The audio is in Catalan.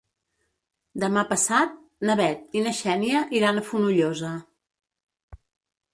Demà passat na Bet i na Xènia iran a Fonollosa.